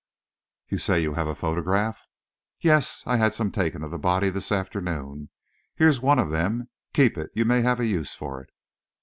"You say you have a photograph?" "Yes, I had some taken of the body this afternoon. Here's one of them. Keep it; you may have a use for it."